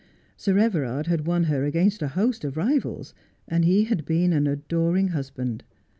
Sir Everard had won her against a host of rivals, and he had been an adoring husband.